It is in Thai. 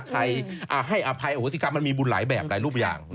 ใครให้อภัยโหสิกรรมมันมีบุญหลายแบบหลายรูปอย่าง